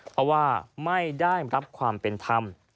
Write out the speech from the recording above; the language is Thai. เพราะว่าไม่ได้รับความเป็นธรรม